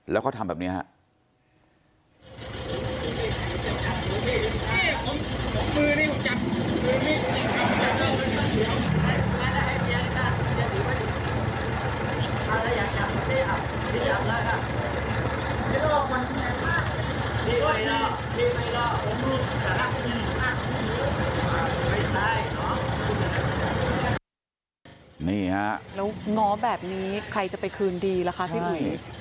แล้วง้อแบบนี้ใครจะไปคืนดีละคะพี่หมุธิ